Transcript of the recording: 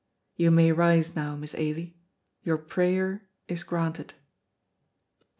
You may rise, now, Miss Ailie; your prayer is granted.